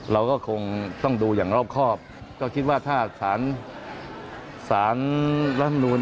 เราก็คงต้องดูอย่างรอบครอบก็คิดว่าถ้าสารสารรัฐมนูล